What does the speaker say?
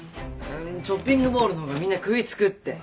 ショッピングモールの方がみんな食いつくって。